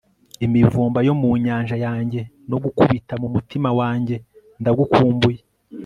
imivumba yo mu nyanja yanjye no gukubita mu mutima wanjye ndagukumbuye